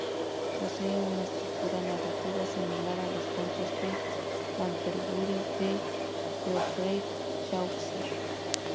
Posee una estructura narrativa similar a Los Cuentos de Canterbury de Geoffrey Chaucer.